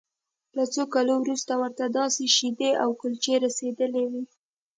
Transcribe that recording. له څو کلونو وروسته ورته داسې شیدې او کلچې رسیدلې وې